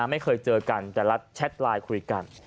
ไม่เคยเจอกันแต่รัฐแชทไลน์คุยกัน